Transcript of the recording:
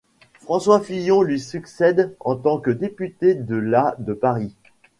François Fillon lui succède en tant que député de la de Paris.